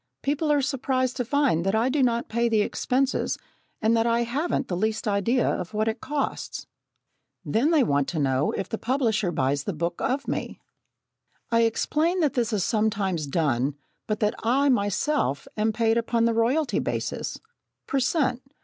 People are surprised to find that I do not pay the expenses and that I haven't the least idea of what it costs. Then they want to know if the publisher buys the book of me. I explain that this is sometimes done, but that I myself am paid upon the royalty basis, per cent.